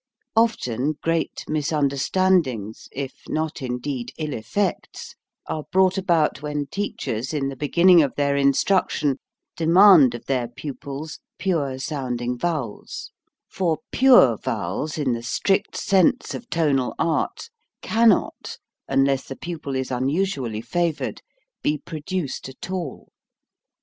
Often great misunderstandings, if not, indeed, ill effects, are brought about when teachers in the beginning of their instruction demand of their pupils pure sounding vowels, for pure vowels in the strict sense of tonal art cannot unless the pupil is unusually favored be produced at all.